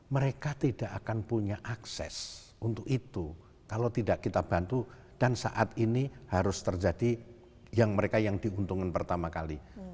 mereka tidak akan punya akses untuk itu kalau tidak kita bantu dan saat ini harus terjadi yang mereka yang diuntungkan pertama kali